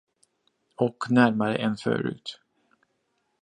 Och närmare än förut.